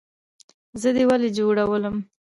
زه دې ولۍ جوړولم؟